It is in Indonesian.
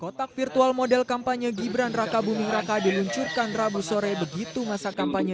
kotak virtual model kampanye gibran raka buming raka diluncurkan rabu sore begitu masa kampanye